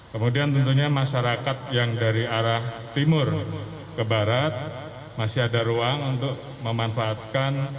kemudian tentunya masyarakat yang dari arah timur ke barat masih ada ruang untuk memanfaatkan